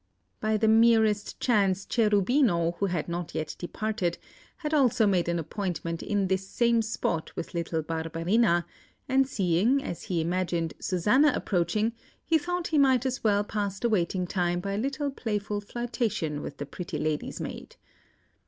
By the merest chance, Cherubino, who had not yet departed, had also made an appointment in this same spot with little Barbarina, and seeing, as he imagined, Susanna approaching, he thought he might as well pass the waiting time by a little playful flirtation with the pretty lady's maid.